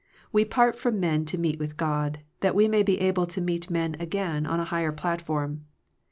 We part from men to meet with God, that we may be able to meet men again on a higher platform.